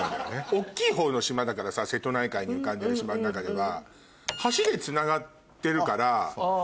大っきい方の島だからさ瀬戸内海に浮かんでる島の中では。